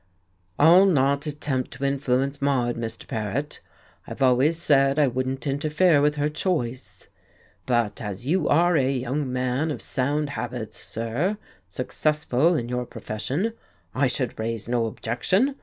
"I'll not attempt to influence Maude, Mr. Paret I've always said I wouldn't interfere with her choice. But as you are a young man of sound habits, sir, successful in your profession, I should raise no objection.